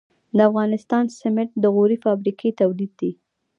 د افغانستان سمنټ د غوري فابریکې تولید دي